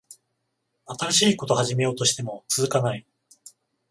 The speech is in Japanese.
新しいこと始めようとしても続かない